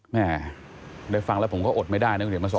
แม่ได้ฟังแล้วผมก็อดไม่ได้นะคุณเดี๋ยวมาส